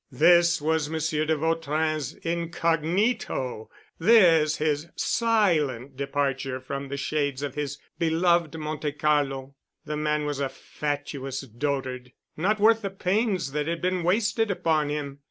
This was Monsieur de Vautrin's incognito, this his silent departure from the shades of his beloved Monte Carlo. The man was a fatuous dotard, not worth the pains that had been wasted upon him.